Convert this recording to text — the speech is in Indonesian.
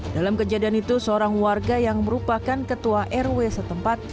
dalam kejadian itu seorang warga yang merupakan ketua rw setempat